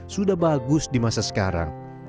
sudah bagus di masa sekarang